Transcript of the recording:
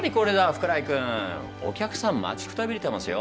福来君お客さん待ちくたびれてますよ。